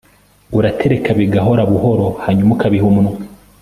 uratereka bigahora buhoro hanyuma ukabiha umwana